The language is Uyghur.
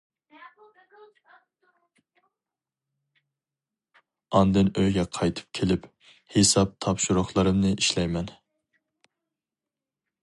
ئاندىن ئۆيگە قايتىپ كېلىپ ھېساب تاپشۇرۇقلىرىمنى ئىشلەيمەن.